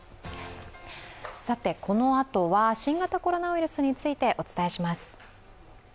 このあとは新型コロナウイルスについて、お伝えします。